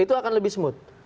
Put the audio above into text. itu akan lebih smooth